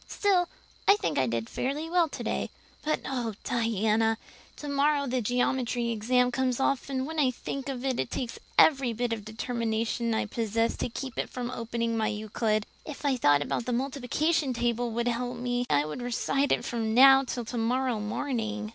Still, I think I did fairly well today. But oh, Diana, tomorrow the geometry exam comes off and when I think of it it takes every bit of determination I possess to keep from opening my Euclid. If I thought the multiplication table would help me any I would recite it from now till tomorrow morning.